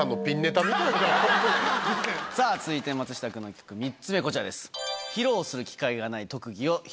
さぁ続いて松下くんの企画３つ目こちらです。